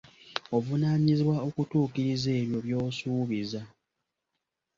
Ovunaanyizibwa okutuukiriza ebyo by'osuubiza.